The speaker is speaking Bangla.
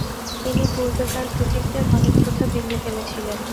তিনি পূর্বেকার খতিবদের অনেক প্রথা ভেঙে ফেলেছিলেন।